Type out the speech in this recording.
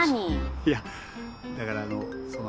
いやだからあのその。